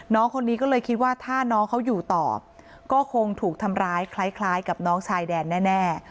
น้องคนนี้ก็เลยคิดว่าถ้าน้องเขาอยู่ต่อก็คงถูกทำร้ายคล้ายกับน้องชายแดนแน่